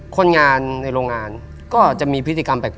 คนงานในโรงงานก็จะมีพฤติกรรมแปลก